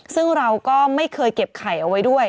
ซึ่งเราก็ไม่เคยเก็บไข่เอาไว้ด้วย